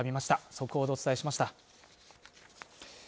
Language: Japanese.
速報でお伝えしました。